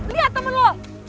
lihat temen lu